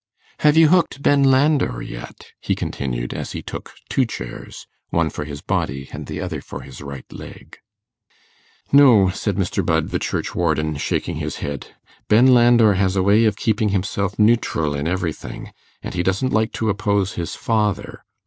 'Have you hooked Ben Landor yet?' he continued, as he took two chairs, one for his body, and the other for his right leg. 'No,' said Mr. Budd, the churchwarden, shaking his head; 'Ben Landor has a way of keeping himself neutral in everything, and he doesn't like to oppose his father.